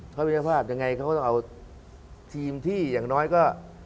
เขาวิทยาภาพยังไงเขาก็ต้องเอาทีมที่อย่างน้อยก็